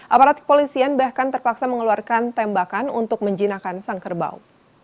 aparat kepolisian bahkan terpaksa mengeluarkan tembakan untuk menjinakkan sang kerbau